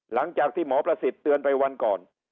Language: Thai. หลังจากที่หมอประสิทธิ์เตือนไปวันก่อน